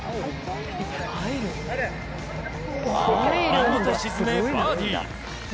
何と沈め、バーディー！